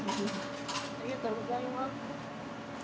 ありがとうございます。